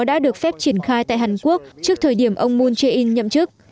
đã được phép triển khai tại hàn quốc trước thời điểm ông moon jae in nhậm chức